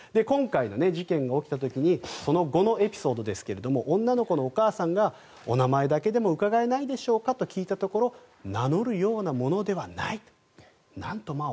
今回の事件が起きた時にその後のエピソードですが女の子のお母さんがお名前だけでも伺えないでしょうかと聞いたところ名乗るようなものではないと。